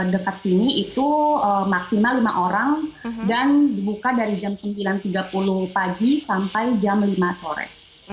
dekat sini itu maksimal lima orang dan dibuka dari jam sembilan tiga puluh pagi sampai jam lima sore